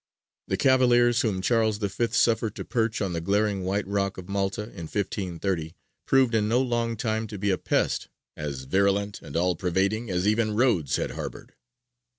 The cavaliers whom Charles V. suffered to perch on the glaring white rock of Malta, in 1530, proved in no long time to be a pest as virulent and all pervading as even Rhodes had harboured.